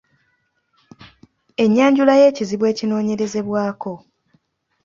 Ennyanjula y’ekizibu ekinoonyerezebwako.